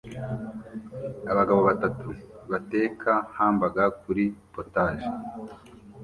Abagabo batatu bateka hamburg kuri POTAGE